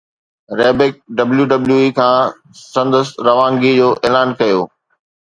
Ryback WWE کان سندس روانگي جو اعلان ڪيو